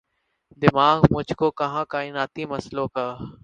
دماغ مجھ کو کہاں کائناتی مسئلوں کا